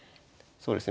そうですね。